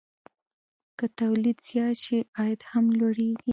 که تولید زیات شي، عاید هم لوړېږي.